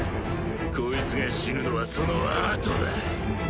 こいつが死ぬのはそのあとだ。